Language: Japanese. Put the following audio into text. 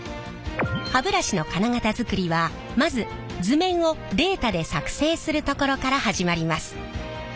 歯ブラシの金型づくりはまず図面をデータで作成するところから始まります。